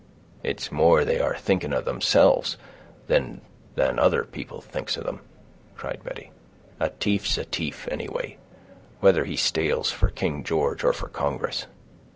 "It's more they are thinking of themselves, then, than other people thinks of them," cried Betty. "A t'ief's a t'ief, anyway; whether he stales for King George or for Congress."